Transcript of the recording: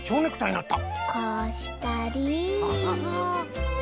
こうしたり。